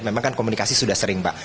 memang kan komunikasi sudah sering pak